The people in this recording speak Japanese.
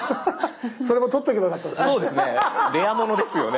それもとっとけばよかったですね。